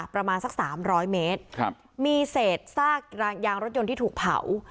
ประมาณสักสามร้อยเมตรครับมีเศษซากยางรถยนต์ที่ถูกเผา